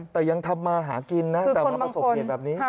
แต่ยังทำมาหากินนะแต่มาประสบเหตุแบบนี้